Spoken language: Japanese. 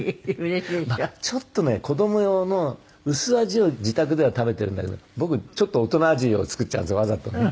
ちょっとね子供用の薄味を自宅では食べているんだけど僕ちょっと大人味を作っちゃうんですよわざとね。